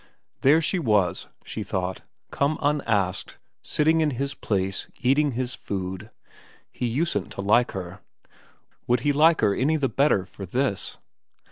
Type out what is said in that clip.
There she was, she thought, come unasked, sitting in his place, eating his food. He usedn't to like her; would he like her any the better for this